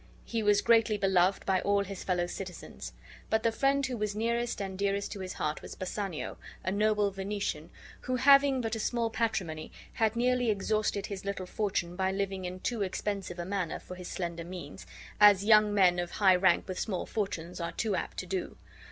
He was greatly beloved by all his fellow citizens; but the friend who was nearest and dearest to his heart was Bassanio, a noble Venetian, who, having but a small patrimony, had nearly exhausted his little fortune by living in too expensive a manner for his slender means, at young men of high rank with small fortunes are too apt to do.